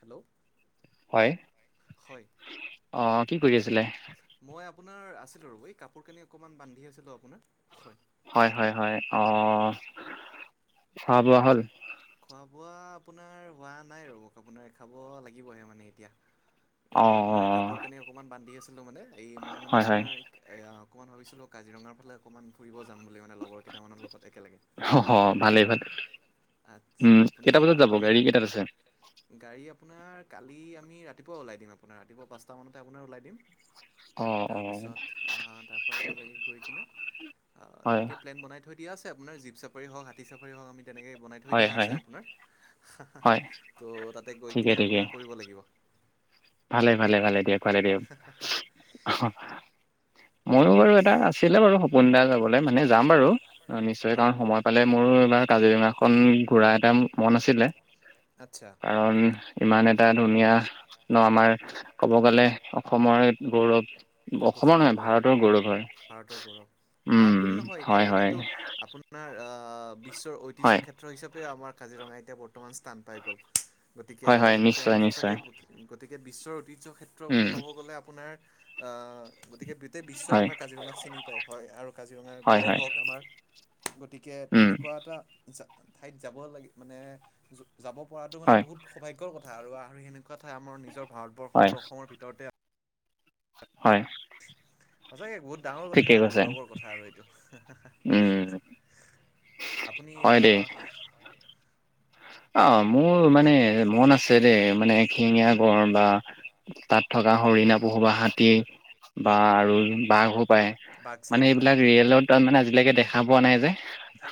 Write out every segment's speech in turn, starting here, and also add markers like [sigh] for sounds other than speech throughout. Hello. হয়, হয় অঁ', -কি কৰি আছিলে? মই আপোনাৰ আছিলোঁ ৰ'ব, এই কাপোৰ-কানি অকণমান বান্ধি আছিলোঁ আপোনাৰ। হয়। হয়-হয়-হয়। অ', খোৱা-বোৱা হ'ল? খোৱা-বোৱা আপোনাৰ হোৱা নাই ৰ'ব আপোনাৰ খাব লাগিবহে মানে এতিয়া। অ' মানে আপোনাৰ কাপোৰ-কানি অকণমান বান্ধি আছিলোঁ মানে, এই মই মানে হয় হয় আপোনাৰ- এয়া অকণমান ভাবিছিলোঁ কাজিৰঙাৰ ফালে অকণমান ফুৰিব যাম বুলি মানে লগৰ কেইটামানৰ লগত একেলগে। অ'হ', ভালেই-ভালেই। আচ্ছা উম' আপুনি কেইটা বজাত যাব আপুনি গাড়ী কেইটাত আছে? গাড়ী আপোনাৰ কালি আমি ৰাতিপুৱা ওলাই দিম আপোনাৰ ৰাতিপুৱা পাঁচটামানতে ওলাই দিম। অ' অ' তাৰপিছত আঁহ' তাৰ পৰা একেলগে গৈ কেনে অঁ' হয় তেনেকে প্লেন বনাই থৈ দিয়া আছে আপোনাৰ জীপ চাফাৰী হওঁক, হাতী চাফাৰী হওঁক আমি তেনেকে বনাই থৈ হয় দিয়া হয় আছে আপোনাৰ। হা-হা, হয় ত' তা'তে গৈ কেনে আপোনাৰ কৰিব লাগিব। ভালে-ভালে-ভালে দিয়ক, ভালে দিয়ক, অঁহ'। মইও বাৰু এটা আছিলে বাৰু সপোন এটা যাবলৈ মানে যাম বাৰু নিশ্চয়, অঁ কাৰণ সময়- পালে মোৰো এইবাৰ কাজিৰঙা খন ঘূৰা এটা মন আছিলে। আচ্ছা কাৰণ- ইমান এটা ধুনীয়া ন' আমাৰ ক'ব গ'লে অসমৰ গৌৰৱ। অসমৰ নহয় গৌৰৱ, ভাৰতৰ হয়। ভাৰতৰ গৌৰৱ, ভাৰত উম, বুলি নহয় এতিয়া হয়, হয়, গোটেইটো আপোন- আপোনাৰ আ' বিশ্বৰ ঐতিহ্য হয়, ক্ষেত্ৰ হিচাপেও আমাৰ কাজিৰঙা এতিয়া বৰ্তমান স্থান পাই গ'ল। গতিকে হয়, হয়, সেইটোতো নিশ্চয়, আমি নিশ্চয়, সঁচাকে বু- গতিকে বিশ্বৰ ঐতিহ্য ক্ষেত্ৰ বুলি উম, ক'ব গ'লে আপোনাৰ আঁহ', গতিকে- গোটেই বিশ্বই হয়, আমাৰ কাজিৰঙাক চিনি পায়। হয়, আৰু কাজিৰঙাৰ হয়, গড় হয়, হওঁক আমাৰ- গতিকে উম, তেনেকুৱা এটা ঠাইত যাব লাগে মানে- যাব পৰাটো মানে হয়, বহুত সৌভাগ্যৰ কথা, আৰু সেনেকুৱা ঠাই আমাৰ নিজৰ ভাৰতবৰ্ষ হয়, আৰু অসমৰ ভিতৰতে হয়। সঁচাকে বহুত ডাঙৰ কথা ঠিকেই আৰু কৈছে, গৌৰৱৰ কথা আৰু এইটো। উম, আপুনি, হয় দেই। আহ', হয় দেই। অ', -মোৰ মানে মন আছে দেই মানে এশীঙীয়া হয় গঁড় বা- তা'ত থকা হৰিণা, পহু, হাতী বা হয় আৰু বাঘ হওঁক- পাই বাঘ মানে চাগবিলাক এইবিলাক হয় ৰিয়েলত তাৰ মানে আজিলৈকে দেখা পোৱা নাই যে।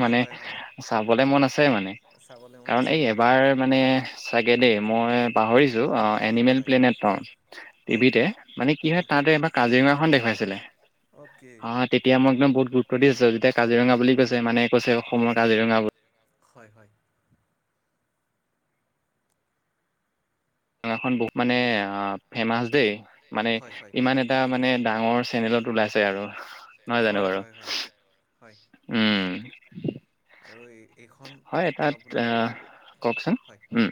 হয় মানে- হয় হয় চাবলে মন আছে মানে। চাবলৈ মন কাৰণ আছে এই ন এবাৰ মানে- চাগে দেই, মই পাহৰিছো অঁ' এনিমেল হয় প্লেনেট অঁ',। হয় টিভিতে, মানে কি হয় তা'তে এবাৰ কাজিৰঙাখন দেখুৱাইছিলে। অ'কে। আহ তেতিয়া মই একদম বহুত গুৰুত্ব দিছো, যেতিয়া কাজিৰঙা বুলি কৈছে মানে কৈছে অসমৰ কাজিৰঙা বুলি। হয়-হয়। কাজিৰঙা খন বহুত মানে ফেৰ্মাচ দেই। মানে হয় হয় ইমান এটা মানে ডাঙৰ চেনেলত ওলাইছে আৰু। হয়-হয়-হয়-উম'-হয়। উমঁ। আৰু এই এইখন তো আপোনাৰ আহ এইটো, কওকচোন হয়। উম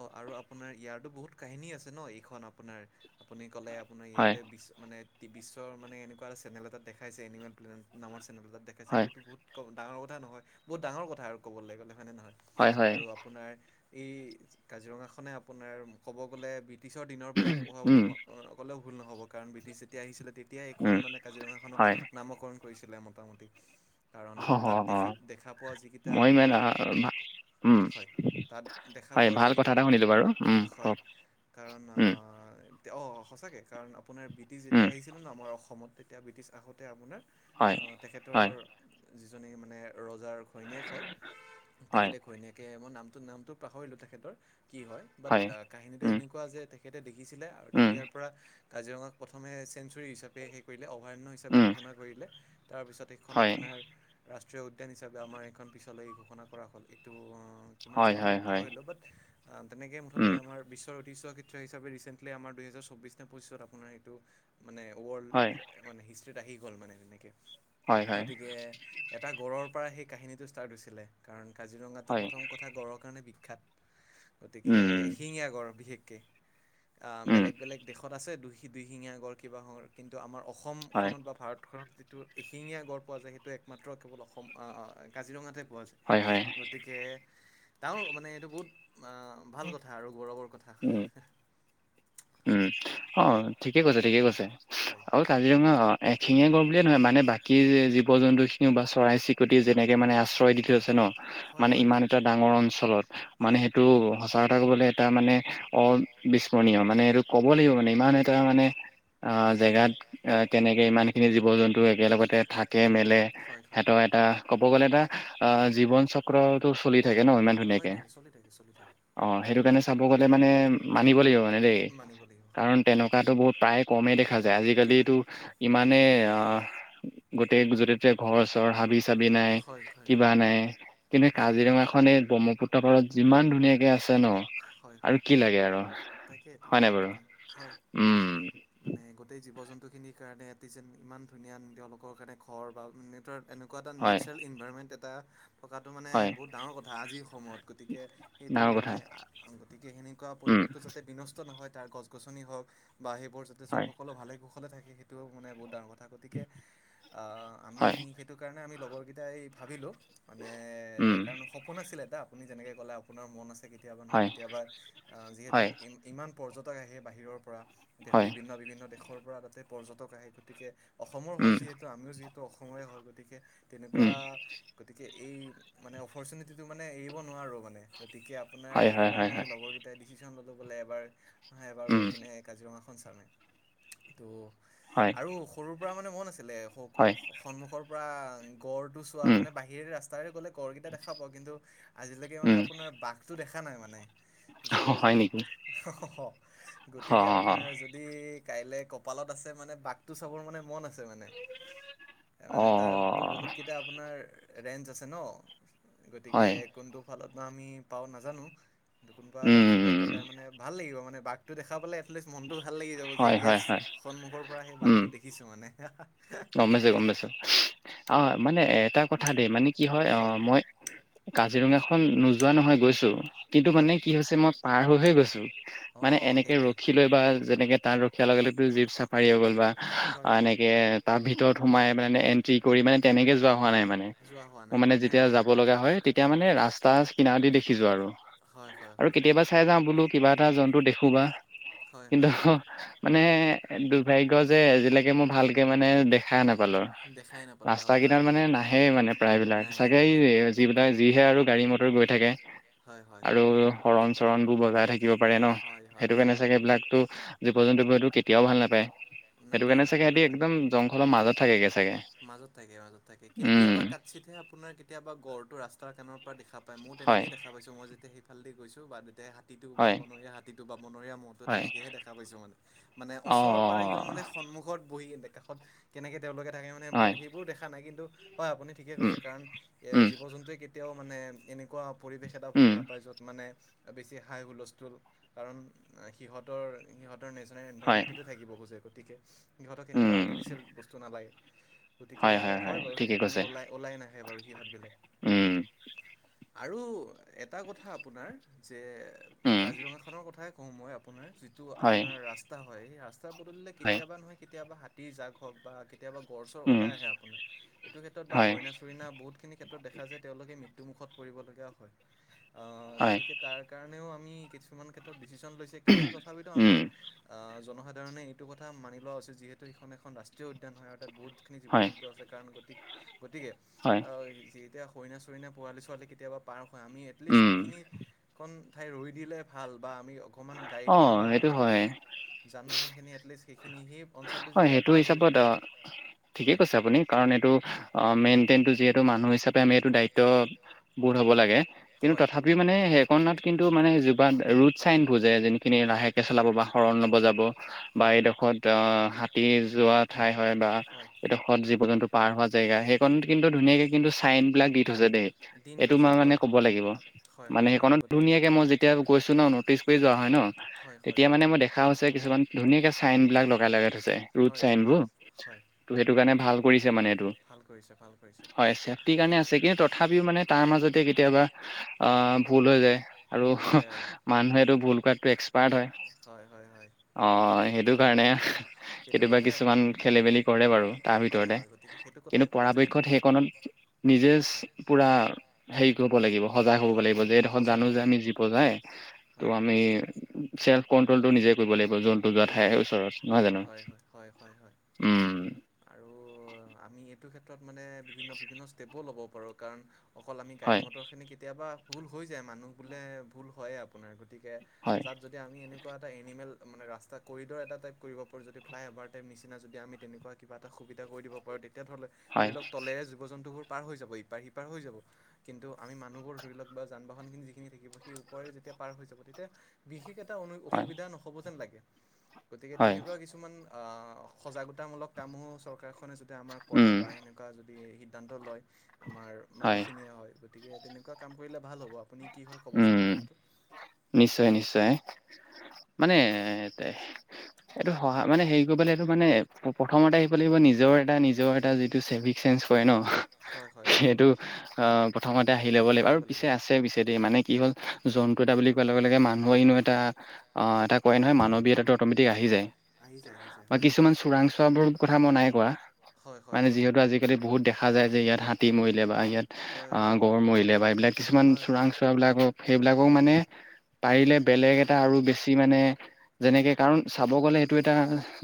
অ', আৰু আপোনাৰ ইয়াৰতো বহুত কাহিনী আছে ন, এইখন আপোনাৰ আপুনি ক'লে আপোনাৰ হয় ইয়াতে বিচ মানে বিশ্ব মানে এনেকুৱা এ চেনেল এটা দেখাইছে এনিমেল প্লেনেট নামৰ চেনেল এটা দেখাইছে হয় এইটোতো বহুত ডাঙৰ [unintelligible] নহয়। বহুত ডাঙৰ কথা আৰু ক'বলৈ গ'লে হয় নে নহয়? হয় হয় আৰু আপোনাৰ এই কাজিৰঙাখনে আপোনাৰ ক'ব গ'লে ব্ৰিটিছৰ দিনৰ বুলি কোৱা বুলি উম অ', কলেও ভুল নহ'ব কাৰণ ব্ৰিটিছ তেতিয়া আহিছিলে তেতিয়াই এইখন উম মানে কাজিৰঙাখনক হয় নামকৰণ কৰিছিলে মোটামুটি কাৰণ অ অ তাত অ দেখি, দেখা পোৱা যিকেইটা মই ইমান আহ, আপোনাৰ ভা- উম হয়, তাত দেখা হয় পোৱা ভাল কথা যিকেইটা, এটা শুনিলো বাৰু উম হয় কওক কাৰণ উম অ', সঁচাকৈ কাৰণ আপোনাৰ ব্ৰিটিছ যেতিয়া উম আহিছিলে ন, আমাৰ অসমত তেতিয়া ব্ৰিটিছ আগতে আপোনাৰ হয় আহ, তেখেতৰ হয় যিজনী মানে ৰজাৰ ঘৈণীয়েক হয়, হয় তেখেতে ঘৈণীয়েকে মই নামটো নামটো পাহৰিলোঁ তেখেতৰ কি হয়। বাট কাহিনীটো উম এনেকুৱা যে তেখেতে দেখিছিলে আৰু উম তেতিয়াৰ পৰা কাজিৰঙাক প্ৰথমে চেঞ্চুুৰী হিচাপে সেই কৰিলে, অভয়াৰণ্য হিচাপে উম ঘোষণা কৰিলে। তাৰপিছত প্ৰত্যেকখন হয় আপোনাৰ ৰাষ্ট্ৰীয় উদ্যান হিচাপে আমাৰ এইখন পিছলৈ ঘোষণা কৰা হ'ল, এইটো কিমান হয় চনত হয় মই হয় পাহৰিলোঁ বাট তেনেকেই মুঠতে উম আমাৰ বিশ্বৰ ঐতিহ্য [unintelligible] হিচাপে ৰিচেণ্টলি আমাৰ দুহেজাৰ চৌব্বিছ নে পঁচিছত আপোনাৰ এইটো মানে হয় ৱৰ্ল্ড, মানে হিষ্ট্ৰীত আহি গ'ল মানে তেনেকৈ। হয় হয় গতিকে এটা গড়ৰ পৰা সেইাহিনীটো ষ্টাৰ্ট হৈছিলে, কাৰণ কাজিৰঙাতটো হয় প্ৰথম কথা গড়ৰ কাৰণে বিখ্যাত। গতিকে উম এশিঙীয়া গঁড় বিশেষকে। আহ, উম বেলেগ বেলেগ দেশত আছে দুি-দুইশিঙীয়াগৰ কিবা [unintelligible] কিন্তু আমাৰ হয় অসমখনত বা ভাৰতখনত যিটো এশিঙীয়া গঢ় পোৱা যায় সেইটো এক মাত্ৰ কেৱল অসম, আহ, কাজিৰঙাতহে পোৱা হয় হয় যায়। [unintelligible] গতিকে, তাৰ মানে এইটো বহুত ভাল কথা আৰু গৌৰৱৰ কথা। উম উম। অ', ঠিকে কৈছে ঠিকে কৈছে। হয়। আৰু কাজিৰঙা অ', এশিঙীয়া গড় বুলিয়ে নহয় মানে, বাকী জীৱ জন্তু খিনিও বা চৰাই চি প্ৰতি মানে আশ্ৰয় দি থৈছে ন, মানে ইমান এটা ডাঙৰ অঞ্চলত মানে সেইটো [unintelligible] এটা কবলৈ তাৰ মানে অবিস্মৰণীয় মানে, এইটো ক'ব লাগিব মানে ইমান এটা মানে আহ, জেগাত কেনেকে ইমান খিনি জীৱ জন্তু একেলগতে থাকে মেলে সিহতৰ এটা, সিহঁতৰ ক'ব গ'লে এটা অ', জীৱন চক্ৰটো চলি থাকে ন ইমান হয় ধুনীয়াকে। চলি থাকে, চলি চলি থাকে। অ', সেইটো কাৰণে চাব গ'লে মানে, মানিব লাগিব মানে দেই। মানিব লাগিব হয়। কাৰণ তেনেকুৱাতো বহু প্ৰায় কমেই দেখা যায়। আজিকালিতো ইমানেই অ', গোটেই যতে ততে ঘৰ চৰ, হাবি চাবি নাই। লাগি কিবা থাকে নাই, কিন্তু হয়। কাজিৰঙাখন এই ব্ৰহ্মপুত্ৰ পাৰত যিমান ধুনীয়াকে আছে আছে ন, হয় আৰু হয় কি লাগে আৰু। তাকে হয় তাকে, নাই বাৰু হয়। উম মানে গোটেই জীৱ জন্তুখিনিৰ কাৰণে এটি যেন ইমান ধুনীয়া তেওঁলোকৰ কাৰণে ঘৰ বা [unintelligible] এনেকুৱা এটা হয় নেচাৰেল ইনভাইৰমেণ্ট এটা থকাটো মানে হয় বহুত ডাঙৰ কথা আজিৰ সময়ত, গতিকে সেইটো ডাঙৰ কথা মানে গতিকে সেনেকুৱা উম পৰিৱেশটো যাতে বিনষ্ট নহয় তাৰ গছ গছনি হওক বা সেইবোৰ যাতে সব হয় সকলো ভালে কুশলে থাকে সেইটোও মানে বহুত ডাঙৰ কথা। [unintelligible] গতিকে আমি হয় সেইটো কাৰণে আমি লগৰকেইটাই ভাবিলোঁ মানে এ উম কাৰণ সপোন আছিলে এটা, আপুনি যেনেকে ক'লে আপোনাৰ মন আছে কেতিয়াবা নহয় হয় কেতিয়াবা, আহ, যিহেতু হয় ই, ইমান পৰ্যটক আহে বাহিৰৰ পৰা, হয় বিভিন্ন-বিভিন্ন দেশৰ পৰা তাতে পৰ্যটক আহে, গতিকে অসমৰ হয় উম যিহেতু আমিও যিহেতু অসমৰে হয় গতিকে তেনেকুৱা উম গতিকে এই মানে অপৰ্চুনিটিটো মানে এৰিব নোৱাৰোঁ মানে, গতিকে আপোনাৰ হয় এই হয় হয় হয় লগৰকেইটাই ডিচিশ্যন ল'লো বোলে এবাৰ, এবাৰ গৈ উম কিনে কাজিৰঙাখন চামে। ত' হয় আৰু সৰুৰ পৰা মানে মন আছিলে, হয় সন্মুখৰ পৰা গড়টো চোৱা উম মানে বাহিৰৰে ৰাস্তাৰে গ'লে গড়কেইটা দেখা পাওঁ, কিন্তু আজিলৈকে মানে উম আপোনাৰ বাঘটো দেখা না নাই মানে, জ, হয় নেকি অ গতিকে অ আপোনাৰ য যদি কাইলৈ কপালত আছে মানে বাঘটো চাবৰ মানে মন আছে মানে, মানে তাৰটো বহুত অ', কেইটা আপোনাৰ ৰেঞ্জ আছে ন'। গতিকে হয়। কোনটো ফালত বা আমি পাওঁ নাজানো। কোনবা এটা উম, ফালে উম, গ'লে মানে ভাল লাগিব মানে, বাঘটো দেখা পালে মনতটো ভাল লাগি যাব যে হয়, হয়, ইএচ, হয়, সন্মুখৰ পৰা সেই উম, বাঘটো দেখিছোঁ মানে। গম পাইছোঁ, গম পাইছোঁ, অ', মানে এটা কথা দেই মানে কি হয় আহ মই কাজিৰঙাখন নোযোৱা নহয় গৈছো, কিন্তু হয় মানে কি হৈছে মই পাৰ হৈহে গৈছো। অ মানে এনেকে সেইটোৱে ৰখি লৈ বা যেনেকে তাত ৰখিয়া লগে-লগে জীপ চাপ পাৰী হৈ গ'ল, বা হয় অ', হয় এনেকে তাৰ ভিতৰত সোমাই মানে এন্ট্ৰি কৰি মানে তেনেকে যোৱা হোৱা নাই মানে। যোৱা হোৱা মই নাই মানে হয়নে যেতিয়া অ যাব লগা হয়, তেতিয়া মানে ৰাস্তা কনাৰ দি দেখিছোঁ আৰু। হয় হয় আৰু হয় কেতিয়াবা চাই যাওঁ, বোলোঁ কিবা এটা জন্তু দেখোঁ বা, হয় কিন্তু হয় হয় মানে দুৰ্ভাগ্যয় যে, আজিলৈকে মই ভালকে মানে দেখা নাপালো। দেখাই নাপালোঁ ৰাস্তা হয় হয় কেইতাত মানে নাহে মানে হয় প্ৰায়বিলাক, নাহে চাগে নাহে হয়। এই যিবিলাক যিহে আৰু গাড়ী মটৰ গৈ থাকে। হয় হয় আৰু হয় খেতি হৰণ-চৰণ বোৰ বজাই থাকিব পাৰে ন', সেইটোকাৰণে চাগে সেইটো এই বিলাকটো জীৱ জন্তু বোৰেটো কেতিয়াও ভাল নাপায়, সেইটো নাপায় কাৰণে চাগে নাপায় সিহঁতি নাপায়। একদম জংঘলৰ মাজত থাকেগে চাগে। মাজত থাকে, মাজত থাকে, উম কেতিয়াবা কাছিতহে আপোনাৰ কেতিয়াবা গড়টো ৰাস্তাৰ কানৰ পৰা দেখা পাই, মোৰ হয় তেনেকে দেখা পাইছোঁ, মই যেতিয়া সেইফালদি গৈছোঁ বা তে হাতীটো বা হয় বনৰীয়া হাতীটো বা বনৰীয়া মহটো হয় তেনেকেহে দেখা পাইছো মানে। মানে অ ওচৰৰ পৰা একদম মানে সন্মুখত বহি কাষত, কেনেকে তেওঁলোকে থাকে মানে হয় সেইবোৰ দেখা নাই, কিন্তু হয়, আপুনি ঠিকেই উম কৈছে, কাৰণ এ উম জীৱ-জন্তুৱে কেতিয়াও মানে এনেকুৱা পৰিৱেশ এটা ভাল উম নাপায়, য'ত মানে বেছি হাই হুলস্থুল, কাৰণ সিহঁতৰ, সিহঁত ৰ নেচনেল হয় এনভৰমেটতে থাকিব খোজে, গতিকে সিহঁতক উম এনেকুৱা আৰ্টিফিচিয়েল বস্তু নালাগে। গতিকে হয় বাৰু, সেইটো কাৰণে ওলাই-ওলাই নাহে বাৰু সিহঁত বিলাক। উম আৰু এটা কথা আপোনাৰ যে এ উম কাজিৰঙাখনৰ কথাই কওঁ, মই আপোনাৰ, যিটো হয় আপোনাৰ ৰাস্তা হয়, সেই ৰাস্ত পদূলিলে হয় কেতিয়াবা নহয় কেতিয়াবা হাতীৰ জাগ হওঁক বা কেতিয়াবা গড়-চড় উম ওলাই আহে আপোনাৰ, এইটো ক্ষেত্ৰত বা হয়, হৰিণা চৰিনা বহুতখিনি ক্ষেত্ৰত দেখা যায় তেওঁলোকে মৃত্যুমুখত পৰিব লগীয়া হয়, অ', হয়, গতিকে তাৰ কাৰণেও আমি কিছুমান ক্ষেত্ৰত ডিচিশন লৈছে, কিন্তু তথাপিতো উম, আমাৰ, আহ জনসাধ সেই ধাৰণে এইটো কথা মানি লোৱা উচিত, যিহেতু সেইখন এখন ৰাষ্ট্ৰীয় উদ্যান হয়, অৰ্থাৎ বহুত বহুত খিনি হয়, জীৱ-জন্তু আছে, কাৰণ গতি, গতিকে, হয়, অ', এতিয়া হৰিণা-চৰিণা, পোৱালি-ছোৱালী কেতিয়াবা পাৰ হয়, আমি এটলিষ্ট উম। সেইখিনিত এখন ঠাই ৰৈ দিলে ভাল, বা আমি অকমান অ', গাড়ীখন বা সেইটো হয়। যান-বাহন খিনি এটলিষ্ট সেই খিনি সেই অঞ্চলটো হয়, যেতিয়া সেইটো পাৰ হৈ হিচাপত য- অ' ঠিকেই কৈছে আপুনি, কাৰণ এইটো অঁ মেইনটেইনটো যিহেতু মানুহ হিচাপে আমি এইটো দায়িত্ব- বোধ হ'ব লাগে। কিন্তু হয়। তথাপ- পিও মানে সেইকণাত কিন্তু মানে জোপাত ৰুদ চাইন ভোযে যে সেইখিনি হয়। লাহেকে চলাব বা- হৰণ নবজাব, বা হয়। এইডখৰত অঁ হাতী যোৱা ঠাই হয় বা হয়। এইডখ- খত জীৱ-জন্তু পাৰ হোৱা জেগা, সেইকন কিন্তু ধুনীয়াকে কিন্তু- চাইন বিলাক দি থৈছে দেই, দিন এইটো থৈছে মই হয়। মানে ক'ব লাগিব। হয় মানে হয় হয় এইকণত গতিকে ধুনীয়াকে মই যেতিয়া গৈছো ন, নটিচ কৰি যোৱা হয় ন, হয় হয় তেতিয়া হয়। মানে মই দেখ- খা হৈছে কিছুমান ধুনীয়াকে চাইন বিলাক লগাই লগাই থৈছে ৰুদ হয় লগাই চাইনবোৰ। থৈছে হয়। টো সেইটো কাৰণে ভাল কৰিছে মানে এইটো। ভাল কৰিছে, ভাল কৰিছে। হয়, ছেফটিৰ কাৰণে আছেগে কিন্তু তথাপিও মানে তাৰ মাজতে- কেতিয়াবা, হয় আঁহ ভুল হৈ যায়, ভুল হৈ আৰু- যায় মানুহেটো ভুল কৰাটো এক্সপাৰ্ট হয়। হয় হয় হয়। গতিকে সেইটো কাৰণে- কেতিয়াবা কিছুমান খেলি- মেলি কৰে বাৰু, তাৰ হয় ভিতৰতে, হয় গতিকে সেইটো কথাই কিন্তু ক'লোঁ যে পৰাপক্ষত সেই- সেইকণত, নিজে হয় পোৰা হেৰি কৰিব লাগিব। সজাগ হ'ব হয় লাগিব যে এই ডখৰত সজাগ জানো হ'ব যে আমি লাগে জীৱ যায়। ত' হয় আমি- চেল্ফ কণ্ট্ৰলটো নিজেই কৰিব লাগিব। জন্তু যোৱা কৰিব ঠাইৰ লাগিব ওচৰত নহয় জানো? হয় হয়, হয় হয় হয়। উম' আৰু আমি এইটো ক্ষেত্ৰত মানে বিভিন্ন বিভিন্ন ষ্টেপো ল'ব পাৰোঁ। কাৰণ- অকল আমি গাড়ী হয় মটৰখিনি কেতিয়াবা ভুল হৈ যায়‌ মানুহ বোলে ভুল হয়ে আপোনাৰ, গতিকে- হয় আজাদ- যদি আমি এনেকুৱা এটা এনিমেল মানে ৰাস্তা কৰিডৰ এটা টাইপ কৰিব পাৰোঁ, যদি ফ্লাই অভাৰ টাইপ নিচিনা যদি আমি তেনেকুৱা- কিবা এটা সুবিধা কৰি দিব পাৰো তেতিয়া ধৰি লও হয়, ধৰি লওঁক তলেৰে জীৱ- জন্তুবোৰ পাৰ হৈ যাব ইপাৰ- সিপাৰ হৈ যাব। কিন্তু আমি মানুহবোৰ ধৰি লক বা যান- বাহনখিনি যিখিনি থাকিব। সেই ওপৰেৰে যেতিয়া পাৰ হৈ যাব। তেতিয়া- বিশেষ এট- টা হয়, অসুবিধা নহ'ব যেন লাগে। গতিকে হয়, তেনেকুৱা কিছুমান অঁ সজাগতামূলক- কামসমূহ চৰকাৰখনে যাতে আমাৰ কৰে উম, বা এনেকুৱা যদি সিদ্ধান্ত লয়- আমাৰ হয়, মানুহখিনিয়ে হয়। গতিকে তেনেকুৱা কাম কৰিলে ভাল হ'ব, আপুনি কি হয় ক'বচোন উম, এইটো ক্ষেত্ৰত। নিশ্চয় নিশ্চয়। মানে তেহ- এইটো সহা মানে হেৰি কৰিবলে এইটো মানে প্ৰথমতে আহিব লাগিব নিজৰ এটা নিজৰ এটা যিটো চেভি- ছেঞ্জ হয় কৰে ন, হয় হয় হয় সেইটো অঁ প্ৰথমতে আহি ল'ব লাগিব আৰু পিছে আছে পিছে। দে মানে কি হল? জন্তু এটা বুলি কোৱাৰ লগে লগে মানুহৰ এনেও এটা- অঁ এটা কয় নহয় মানৱীয়তাটো অট'মেটিক আহি যায়। আহি যায় আহি যায়। বা হয় কিছুমান চোৰাং চোৱা বোৰ কথা মই নাই কোৱা, হয় হয় মানে হয় যিহেতু আজি- আজিকালি বহুত দেখা যায় যে ইয়াত হাতী মৰিলে বা ইয়াত হয় হয় আঁ হয় গড় মৰিলে বা এইবিলাক কিছুমান হয় হয় চোৰাং- চোৱা বিলাকক সেইবিলাকও পাৰিলে এটা আৰু বেছি মানে- যেনেকে, কাৰণ চাব গ'লে এইটো এটা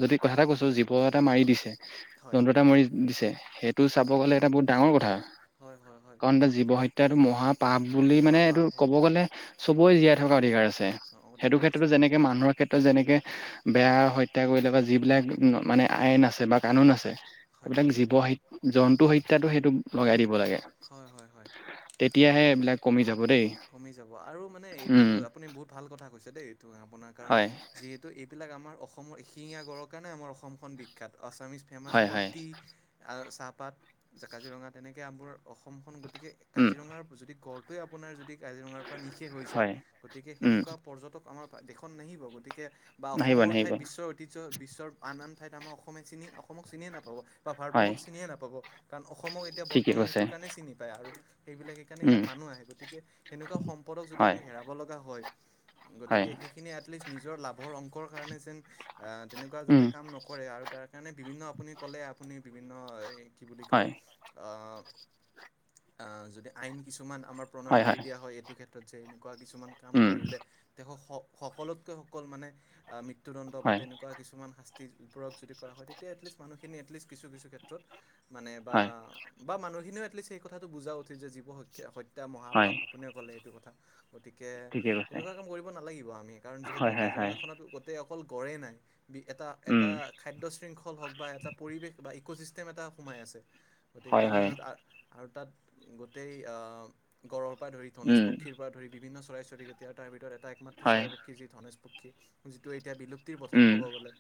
যদি কথা এটা কৈছো জীৱ এটা মাৰি দিছে। হয় জন্তু এটা মাৰি দিছে। সেইটো চাব গলে এটা বহুত ডাঙৰ কথা। হয় হয় হয়। নে জীৱ হত্যাটো মহাপাপ বুলি মানে- মহাপাপ তোৰ হয় ক'ব গ'লে, চবৰে জীয়াই থকা অধিকাৰ আছে। সেইটো অধিকাৰ আছে ক্ষেত্ৰতো যেনেক- মানুহৰ ক্ষেত্ৰত যেনেকে হয় হয় বেয়া হত্যা কৰিলো যিবিলাক মানে আইন আছে বা কানুন আছে সেইবিলাক জীৱ হ জন্তু হত্যাতো সেইটো লগাই দিব লাগে। হয় হয় হয় তেতিয়াহে এইবিলাক কমি যাব দেই। কমি যাব আৰু মানে এইটো উম আপুনি বহুত ভাল কথা কৈছে দেই এইটো আপোনাৰ কাৰণ হয় যিহেতু এইবিলাক আমাৰ অসমৰ এশিঙীয়া গড়ৰ কাৰণে আমাৰ অসমখন বিখ্যাত, আসামিছ ফেমাছ হয় ফৰ হয় টি, আ চাহপাত, কাজিৰঙা তেনেকৈ আবোৰ অসমখন গ গতিকে উম কাজিৰঙাৰ যদি গড় টো আপোনাৰ যদি কাজিৰঙাৰ পৰা নিশেষ হৈ যায়, হয় গতিকে উম সেনেকুৱা পৰ্যটক আমাৰ দেশখন নাহিব গতিকে বা নাহিব অসমৰ নাহিব ঠাইত বিশ্বৰ অতি বিশ বিশ্বৰ আন আন ঠাইত আমাৰ অসমে চিনি অসমক চিনিয় নাপাব। বা হয় ভাৰতবৰ্ষক চিনিয়ে নাপাব। কাৰণ অসমক এতিয়া ঠিকে বৰ্তমান কৈছে সেইটোৰ কাৰণে চিনি পায় আৰু সেইবিলাক সেইকাৰণে উম ইয়াত মানুহ আহে গতিকে সেনেকুৱা সম্পদক যদি হয় আমি হেৰাব লগা হয় হয় গতিকে সেইখিনি এটলিষ্ট নিজৰ লাভৰ অংকৰ কাৰণে যেন আ তেনেকুৱা উম যাতে কাম নকৰে আৰু তাৰ কাৰণে বিভিন্ন আপুনি ক'লে আপুনি বিভিন্ন এই কি বুলি হয় কয় আ আহ যদি আইন কিছুমান আমাৰ প্ৰণয়ন কৰি দিয়া হয় এইটো ক্ষেত এনেকুৱা কিছুমান কাম উম কৰিলে তেওঁক সকলোতকৈ সকলো মানে তদন্ত বা হয় তেনেকুৱা কিছুমান শাস্তি বোৰক যদি কৰা হয় তেতিয়া এটলিষ্ট মানুহ খিনি এটলিষ্ট কিছু কিছু ক্ষেত্ৰত মানে বা হয় বা মানুহখিনিও সেই কথাটো বুজা উঠিল যে জীৱ হ হত্যা মহাপ হয় আপুনিও ক'লে এইটো কথা। গতিকে ঠিকে কৈছে তেনেকুৱা কাম কৰিব নালাগিব আমি কাৰণ যিহেতু হয় হয় হয় কাজিৰঙাখনত অকল গড় নাই বি এটা এটা উম খাদ্য শৃংখল হওঁক বা এটা পৰিৱেশ বা ইক'চিষ্টেম এটা সোমাই আছে, গতিকে হয় হয় কাৰনাৰত আৰু তাত গোটেই গঁড়ৰ পৰা ধৰি ধনেশ উম পক্ষীৰ পৰা ধৰি বিভিন্ন চৰাই চৰিকটিয় আৰু তাৰ ভিতৰত এটা একমাত্ৰ হয় চৰাই পক্ষী যি ধনেশ পক্ষী, যিটো এতিয়া বিলুপ্ত পথাত উম ক'ব গ'লে।